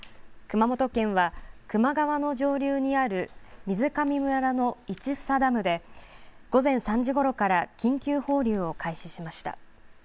熊本県は球磨川の上流にある水上村の市房ダムで、午前３時ごろから緊急放流を開始しました。